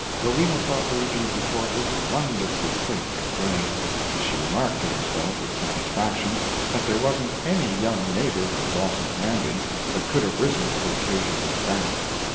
Rowena thought Luigi's retort was wonderfully quick and bright, and she remarked to herself with satisfaction that there wasn't any young native of Dawson's Landing that could have risen to the occasion like that.